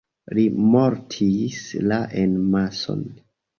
Li mortis la en Moson.